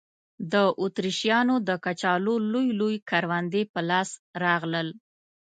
د اتریشیانو د کچالو لوی لوی کروندې په لاس راغلل.